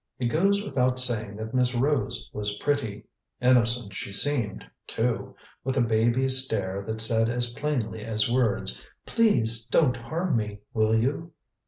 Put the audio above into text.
It goes without saying that Miss Rose was pretty; innocent she seemed, too, with a baby stare that said as plainly as words: "Please don't harm me, will you?"